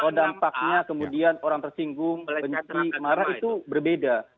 kalau dampaknya kemudian orang tersinggung benci marah itu berbeda